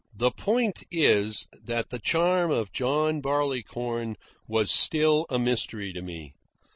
The point is that the charm of John Barleycorn was still a mystery to me.